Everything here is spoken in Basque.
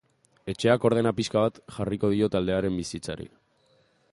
Etxeak ordena pixka bat jarriko dio taldearen bizitzari.